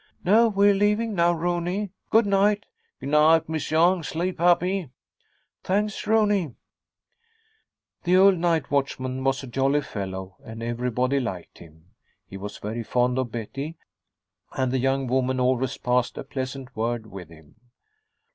"No, we're leaving now, Rooney. Good night." "G' night, Miss Young. Sleep happy." "Thanks, Rooney." The old night watchman was a jolly fellow, and everybody liked him. He was very fond of Betty, and the young woman always passed a pleasant word with him.